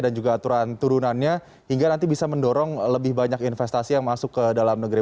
dan juga aturan turunannya hingga nanti bisa mendorong lebih banyak investasi yang masuk ke dalam negeri